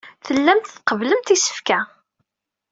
Tellamt tqebblemt isefka.